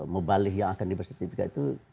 mubalik yang akan di bersertifikat itu